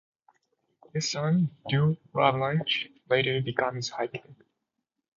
His son Dui Ladrach later becomes High King.